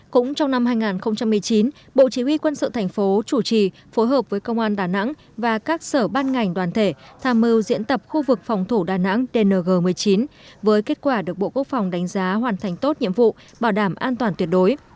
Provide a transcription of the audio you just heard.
cũng trong năm hai nghìn một mươi chín bộ chỉ huy quân sự thành phố chủ trì phối hợp với công an đà nẵng và các sở ban ngành đoàn thể tham mưu diễn tập khu vực phòng thủ đà nẵng dng một mươi chín với kết quả được bộ quốc phòng đánh giá hoàn thành tốt nhiệm vụ bảo đảm an toàn tuyệt đối